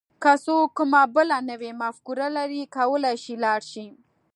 که څوک کومه بله نوې مفکوره لري کولای شي لاړ شي.